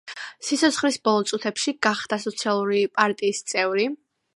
სიცოცხლის ბოლო წლებში გახდა სოციალისტური პარტიის წევრი.